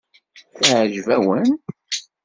Teɛjeb-awen?